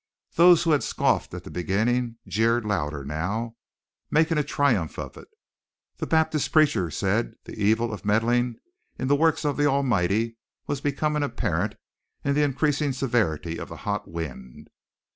Those who had scoffed at the beginning jeered louder now, making a triumph of it. The Baptist preacher said the evil of meddling in the works of the Almighty was becoming apparent in the increasing severity of the hot wind.